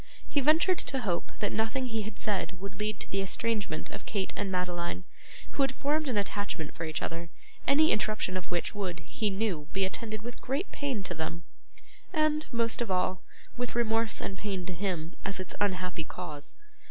He ventured to hope that nothing he had said would lead to the estrangement of Kate and Madeline, who had formed an attachment for each other, any interruption of which would, he knew, be attended with great pain to them, and, most of all, with remorse and pain to him, as its unhappy cause.